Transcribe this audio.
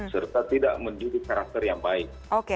serta tidak menjadi karakter yang baik